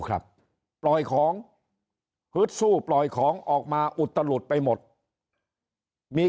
ครับปล่อยของฮึดสู้ปล่อยของออกมาอุตลุดไปหมดมี